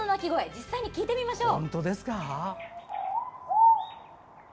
実際に聞いてみましょう。